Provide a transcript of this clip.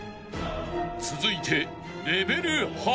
［続いて］